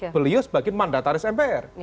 beliau sebagai mandataris mpr